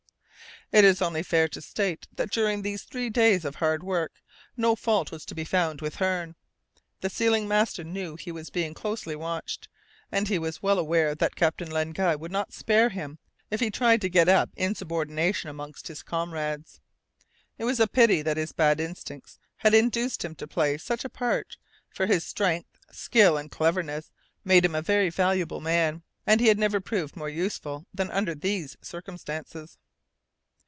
It is only fair to state that during these three days of hard work no fault was to be found with Hearne. The sealing master knew he was being closely watched, and he was well aware that Captain Len Guy would not spare him if he tried to get up insubordination amongst his comrades. It was a pity that his bad instincts had induced him to play such a part, for his strength, skill, and cleverness made him a very valuable man, and he had never proved more useful than under these circumstances.